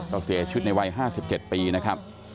เขาเสียชุดในวัย๕๗ปีนะครับ